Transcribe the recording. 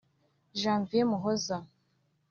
Janvier Muhoza